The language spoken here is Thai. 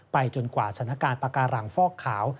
ไปจนกว่าศาลการปาการังฟอกขาว